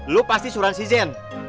lo pasti suran si zen